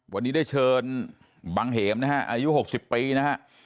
วันนี้ได้เชิญบังเหมครับอายุ๖๐ปีนะครับ